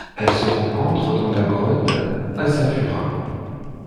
Elle se rencontre dans la grotte Asafura.